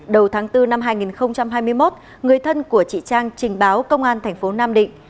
đầu tháng bốn năm hai nghìn hai mươi một người thân của chị trang trình báo công an thành phố nam định